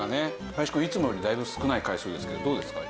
林くんいつもよりだいぶ少ない回数ですけどどうですか？